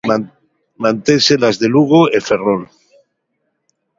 Mantense nas de Lugo e Ferrol.